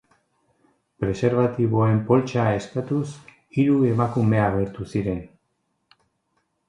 Preserbatiboen poltsa eskatuz hiru emakume agertu ziren.